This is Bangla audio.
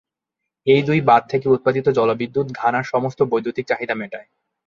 এই দুই বাঁধ থেকে উৎপাদিত জলবিদ্যুৎ ঘানার সমস্ত বৈদ্যুতিক চাহিদা মেটায়।